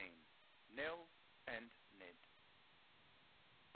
Nell and Ned.